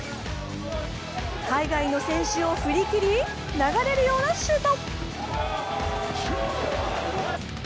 海外の選手を振り切り流れるようなシュート。